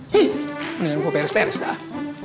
hih ini aku peres peres dah